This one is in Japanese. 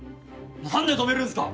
なんで止めるんすか！